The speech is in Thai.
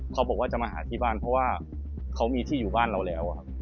เขาบอกว่าจะมาหาที่บ้านเพราะว่าเขามีที่อยู่บ้านเราแล้วครับ